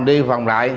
đi vòng lại